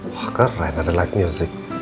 wah karena ada live music